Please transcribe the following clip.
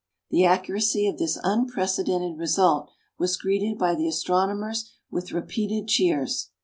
The accuracy of this unprecedented result was greeted by the astronomers with repeated cheers.